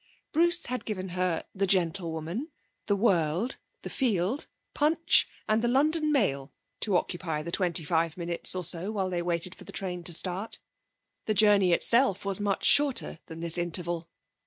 Bruce had given her The Gentlewoman, The World, The Field, Punch, and The London Mail to occupy the twenty five minutes or so while they waited for the train to start. The journey itself was much shorter than this interval.